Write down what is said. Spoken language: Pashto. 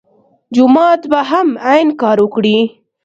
جومات به هم عین کار وکړي.